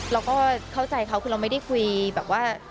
เราก็เข้าใจเขาคือเราไม่ได้คุยแบบว่า